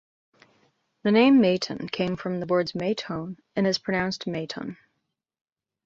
The name "Maton" came from the words "May Tone" and is pronounced "May Tonne".